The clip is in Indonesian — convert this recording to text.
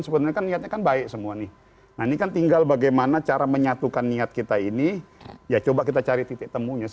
sebenarnya kan niatnya kan baik semua nih nah ini kan tinggal bagaimana cara menyatukan niat kita ini ya coba kita cari titik temunya